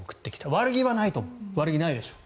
悪気はないと思う悪気はないでしょう。